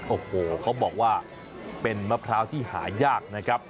โอ้โหเขาบอกว่าเป็นมะพร้าวที่หายากนะครับ